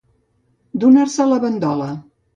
Donar-se a la bandola.